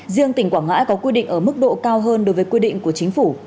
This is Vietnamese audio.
riêng tỉnh quảng ngãi có quy định ở mức độ cao hơn đối với quy định của chính phủ